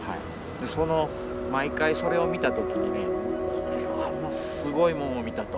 でその毎回それを見た時にこれはもうすごいもんを見たと。